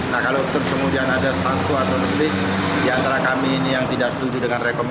nah kalau terus kemudian ada satu atau lebih diantara kami ini yang tidak setuju dengan rekomendasi